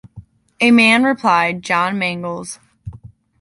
A man,” replied John Mangles.